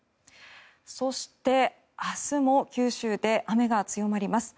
そして、明日も九州で雨が強まります。